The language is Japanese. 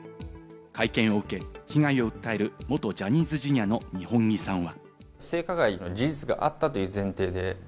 会見を受け、被害を訴える元ジャニーズＪｒ．の二本樹さんは。